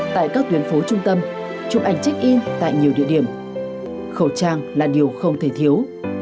tại các tuyến phố trung tâm chụp ảnh check in tại nhiều địa điểm khẩu trang là điều không thể thiếu